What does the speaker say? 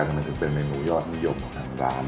เพราะเราดองด้วยมะกอกดองเนี่ยมะกอกดอง